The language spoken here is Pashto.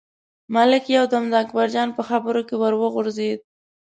ملک یو دم د اکبرجان په خبرو کې ور وغورځېد.